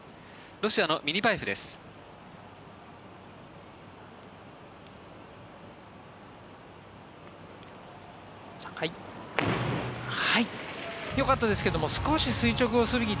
ロシアのミニバエフです。